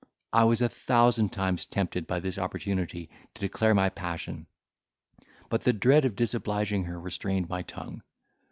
I was a thousand times tempted by this opportunity to declare my passion, but the dread of disobliging her restrained my tongue.